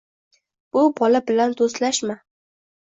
Bu bola bilan do‘stlashma.